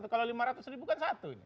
kalau lima ratus ribu kan satu ini